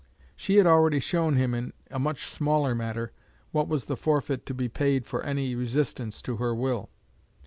She had already shown him in a much smaller matter what was the forfeit to be paid for any resistance to her will.